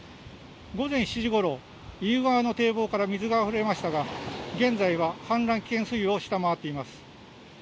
午前７時ごろ、意宇川の堤防から水があふれましたが現在は氾濫危険水位を下回っています。